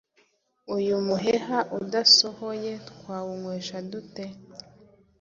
Uyu muheha udasohoye twawunywesha dute ?»